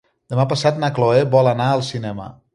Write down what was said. Demà passat na Cloè vol anar al cinema.